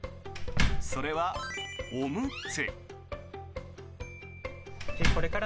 それはおむつ。